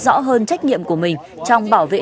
rõ hơn trách nhiệm của mình trong bảo vệ